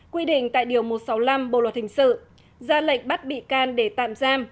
quy định tại điều một trăm sáu mươi năm bộ luật hình sự ra lệnh bắt bị can để tạm giam